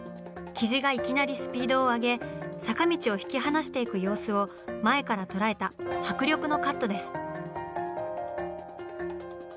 雉がいきなりスピードを上げ坂道を引き離していく様子を前から捉えた迫力のカットです。